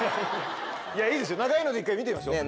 いいですよ長いので１回見てみましょう。